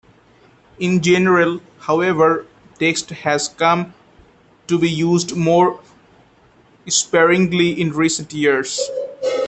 In general however, text has come to be used more sparingly in recent years.